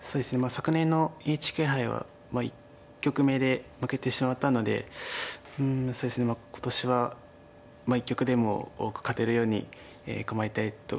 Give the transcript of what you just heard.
昨年のＮＨＫ杯は１局目で負けてしまったので今年は一局でも多く勝てるように頑張りたいと思います。